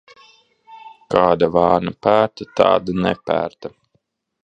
Kāda vārna pērta, tāda nepērta.